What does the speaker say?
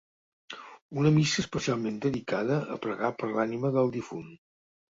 Una missa especialment dedicada a pregar per l'ànima del difunt.